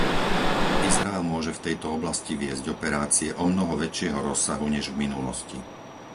Izrael môže v tejto oblasti viesť operácie omnoho väčšieho rozsahu než v minulosti.